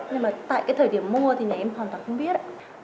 nhưng mà tại cái thời điểm mua thì nhà em hoàn toàn không biết